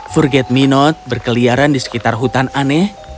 forget me not berkeliaran di sekitar hutan aneh